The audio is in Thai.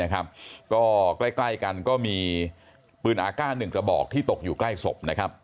ก็ใกล้กันก็มีปืนอากาศ๑กระบอกที่ตกอยู่ใกล้ศพ